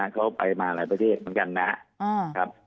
เขาไปมาหลายประเทศเหมือนกันนะครับ